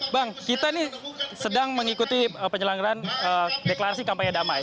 bang kita ini sedang mengikuti penyelenggaran deklarasi kampanye damai